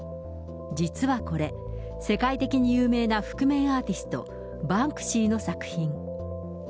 実はこれ、世界的に有名な覆面アーティスト、バンクシーの作品。